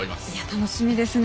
楽しみですね。